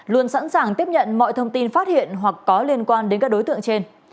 luôn sẵn sàng tiếp nhận mọi thông tin phát hiện hoặc có liên quan đến các đối tượng trên